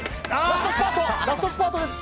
ラストスパートです。